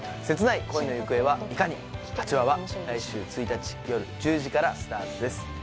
切ない恋の行方はいかに８話は来週１日夜１０時からスタートです